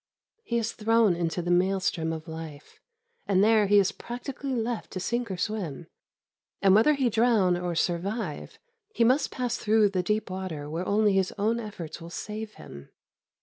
He is thrown into the maelstrom of life, and there he is practically left to sink or swim; and whether he drown or survive, he must pass through the deep water where only his own efforts will save him.